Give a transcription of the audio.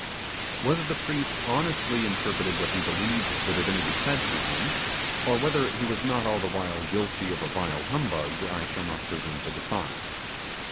Whether the priest honestly interpreted what he believed the divinity said to him, or whether he was not all the while guilty of a vile humbug, I shall not presume to decide.